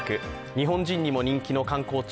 日本人にも人気の観光地